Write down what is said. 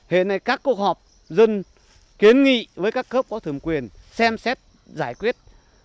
hiện nay các cuộc họp dân kiến nghị với các cấp có thẩm quyền xem xét giải quyết